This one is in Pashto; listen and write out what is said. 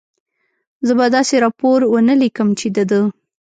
زه به داسې راپور و نه لیکم، چې د ده.